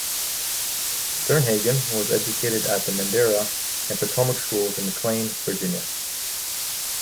Sternhagen was educated at the Madeira and Potomac schools in McLean, Virginia.